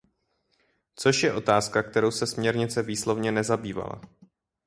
Což je otázka, kterou se směrnice výslovně nezabývala.